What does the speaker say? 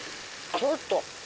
ちょっと。